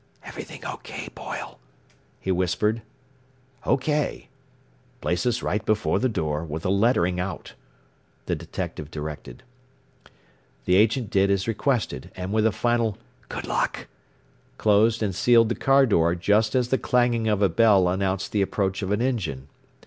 "Everything O K, Boyle?" he whispered. "O K. Place us right before the door, with the lettering out," the detective directed. The agent did as requested, and with a final "Good luck!" closed and sealed the car door just as the clanging of a bell announced the approach of an engine.